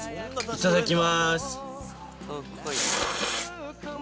いただきます。